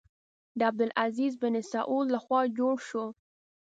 د عبدالعزیز بن سعود له خوا جوړ شو.